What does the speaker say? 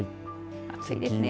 暑いですね。